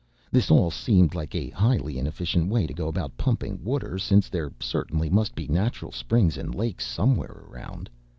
This all seemed like a highly inefficient way to go about pumping water since there certainly must be natural springs and lakes somewhere around.